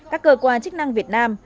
các cơ quan chức năng việt nam